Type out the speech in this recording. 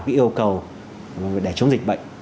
cái yêu cầu để chống dịch bệnh